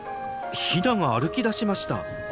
ヒナが歩きだしました。